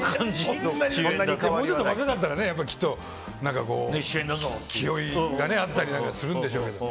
もうちょっと若かったら気負いがあったりするんでしょうけど。